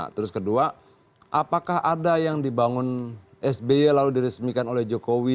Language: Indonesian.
terus kedua apakah ada yang dibangun sby lalu diresmikan oleh jokowi